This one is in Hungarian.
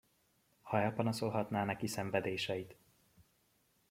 Ha elpanaszolhatná neki szenvedéseit!